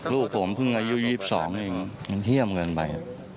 ลูกผมเพิ่งอายุ๒๒เองมันเยี่ยมเกินไป